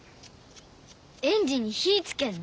エンジンに火つけんの？